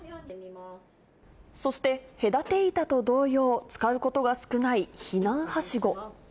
そして、隔て板と同様、使うことが少ない避難はしご。